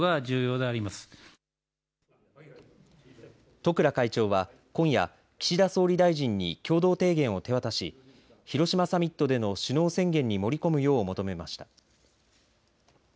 十倉会長は今夜岸田総理大臣に共同提言を手渡し広島サミットでの首脳宣言に盛り込むよう求めました。